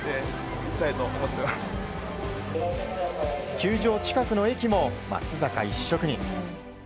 球場近くの駅も松坂一色に。